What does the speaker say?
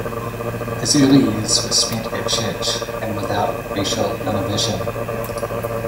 His early years were spent at church and without racial inhibition.